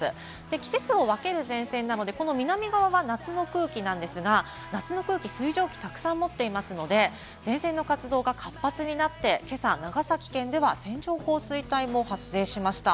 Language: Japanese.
季節を分ける前線なので、南側は夏の空気なんですが、夏の空気、水蒸気をたくさん持っていますので、前線の活動が活発になって今朝、長崎県では線状降水帯も発生しました。